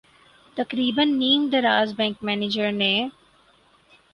تقریبا نیم دراز بینک منیجر نے